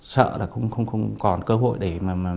sợ là không còn cơ hội để